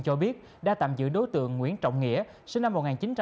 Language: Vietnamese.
cho biết đã tạm giữ đối tượng nguyễn trọng nghĩa sinh năm một nghìn chín trăm tám mươi